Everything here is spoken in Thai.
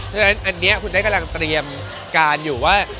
เพราะฉะนั้นอันนี้คุณได้กำลังเตรียมการอยู่ว่า